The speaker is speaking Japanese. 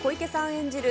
演じる